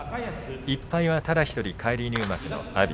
１敗はただ１人返り入幕の阿炎。